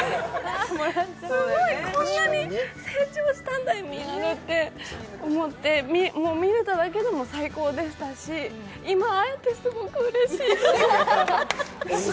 すごい、こんなに成長したんだって思ったし見れただけでも最高でしたし、今、会えてすごくうれしい。